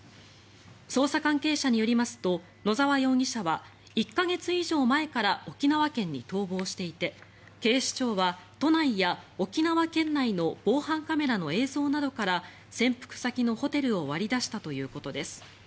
捜査関係者によりますと野沢容疑者は１か月以上前から沖縄県に逃亡していて警視庁は都内や沖縄県内の防犯カメラの映像などから潜伏先のホテルを割り出したということです。